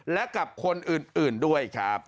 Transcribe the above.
และกับคนอื่นด้วยครับ